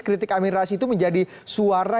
kritik amin rais itu menjadi suara